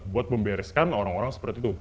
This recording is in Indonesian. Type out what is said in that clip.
buat membereskan orang orang seperti itu